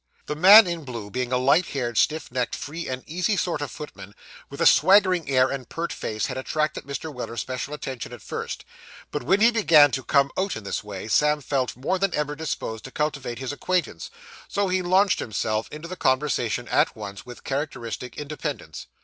The man in blue being a light haired, stiff necked, free and easy sort of footman, with a swaggering air and pert face, had attracted Mr. Weller's special attention at first, but when he began to come out in this way, Sam felt more than ever disposed to cultivate his acquaintance; so he launched himself into the conversation at once, with characteristic independence.